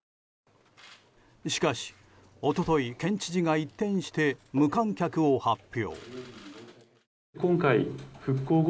しかし、一昨日県知事が一転して無観客を発表。